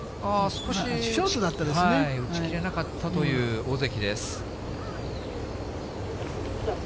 少し打ち切れなかったという尾関です。